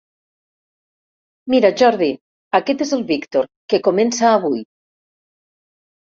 Mira Jordi, aquest és el Víctor, que comença avui.